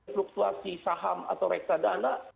fluktuasi saham atau reksadana